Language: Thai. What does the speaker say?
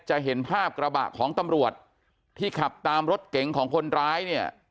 จะเห็นภาพกระบะของตำรวจที่ขับตามรถเก๋งของคนร้ายเนี่ย